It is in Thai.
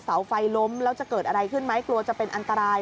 เสาไฟล้มแล้วจะเกิดอะไรขึ้นไหมกลัวจะเป็นอันตราย